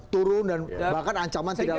turun dan bahkan ancaman tidak